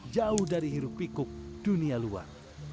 jauh dari hirup pikuk dunia luar